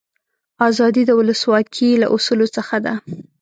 آزادي د ولسواکي له اصولو څخه ده.